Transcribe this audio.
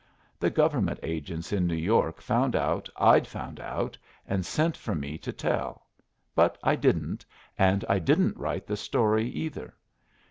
The government agents in New York found out I'd found out and sent for me to tell. But I didn't, and I didn't write the story either.